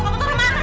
kau tahu mana